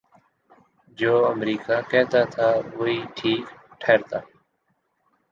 جو امریکہ کہتاتھا وہی ٹھیک ٹھہرتا۔